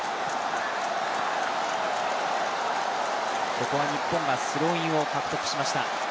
ここは日本がスローインを獲得しました。